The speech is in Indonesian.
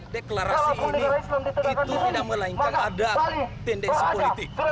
deklarasi ini itu tidak melainkan ada tendensi politik